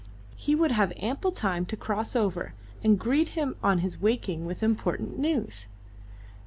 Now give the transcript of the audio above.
He would have ample time to cross over and greet him on his waking with important news.